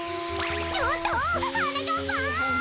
ちょっとはなかっぱん！